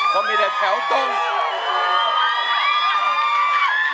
เขามีแต่แถวตรง